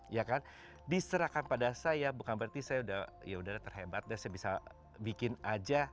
ya kan diserahkan pada saya bukan berarti saya udah yaudah terhebat deh saya bisa bikin aja